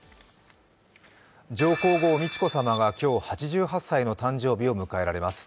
上皇后・美智子さまが今日８８歳の誕生日を迎えられます。